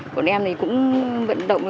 bọn em thì cũng vận động